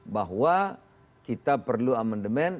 bahwa kita perlu amandemen